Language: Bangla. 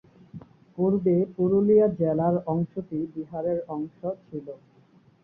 পূর্বে পুরুলিয়া জেলার অংশটি বিহারের অংশ ছিল।